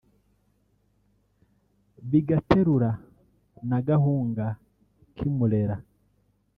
bigaterura na Gahunga k’I Murera